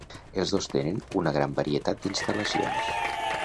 Els dos tenen una gran varietat d'instal·lacions.